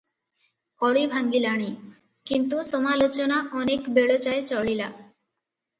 କଳି ଭାଙ୍ଗିଲାଣି; କିନ୍ତୁ ସମାଲୋଚନା ଅନେକ ବେଳ ଯାଏ ଚଳିଲା ।